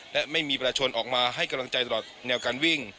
และไม่มีประชาชนออกมาให้กำลังใจตลอดแนวการวิ่ง